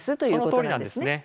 そのとおりなんですね。